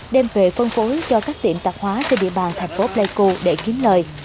đem về phân phối cho các tiệm tạp hóa trên địa bàn thành phố pleiku để kiếm lời